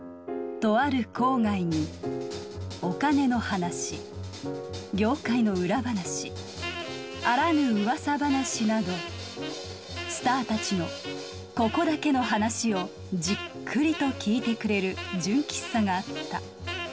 とある郊外にお金の話業界の裏話あらぬ噂話などスターたちのここだけの話をじっくりと聞いてくれる純喫茶があった。